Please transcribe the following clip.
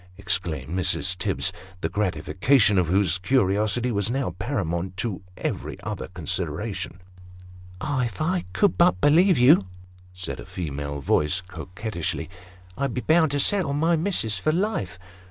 " exclaimed Mrs. Tibbs, the gratification of whose curiosity was now paramount to every other consideration. " Ah ! if I could but believe you," said a female voice coquettishly, " I'd be bound to settle my missis for life."